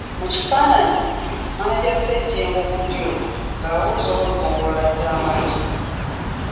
Mu kifaananyi, Mmaneja Ssejjengo (ku ddyo) nga abuuza Ow’eggombolola Tamale.